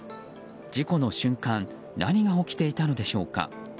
事故の瞬間何が起きていたのでしょうか。